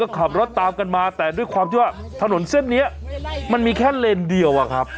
ขับรถตามกันมาแต่ด้วยความที่ว่าถนนเส้นนี้มันมีแค่เลนเดียวอะครับ